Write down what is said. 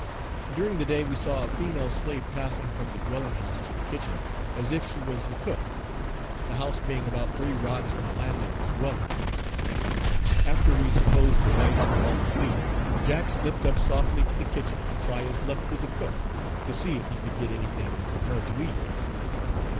During the day we saw a female slave passing from the dwelling house to the kitchen as if she was the cook; the house being about three rods from the landlord's dwelling. After we supposed the whites were all asleep, Jack slipped up softly to the kitchen to try his luck with the cook, to see if he could get any thing from her to eat.